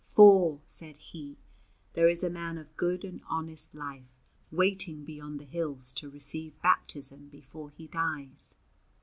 "For," said he, "there is a man of good and honest life waiting beyond the hills to receive baptism before he dies."